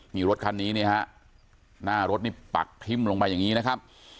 มีรถคันนี้นะฮะหน้ารถปักพิมพ์ลงมาอย่างนี้นะครับ